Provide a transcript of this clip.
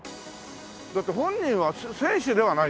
だって本人は選手ではないんですよね？